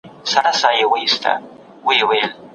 پروردګار خپل حق چا ته بښي؟